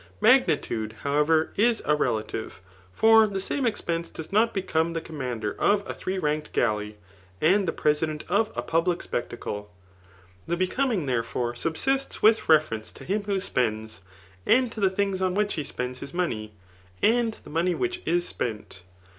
Magnitude, however, is a relative; for the saiade eixpense does not become the commander of a three ranked galleys and the president of a public spec tacle. The becoming, therefo«^, subsi^ with reference Digitized by Google 124 THB NICOMACHEAN BOOK IV. to him who spmds, and to the thing on which he spaids his money, and the money which is spent.